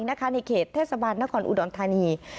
ในเขตเทศบาลนครอุดรธานี